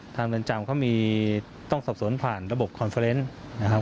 เรือนจำเขาต้องสอบสวนผ่านระบบคอนเฟอร์เนส์นะครับ